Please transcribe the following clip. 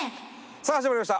さあ始まりました